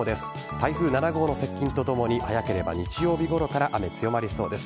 台風７号の接近とともに早ければ日曜日ごろから雨が強まりそうです。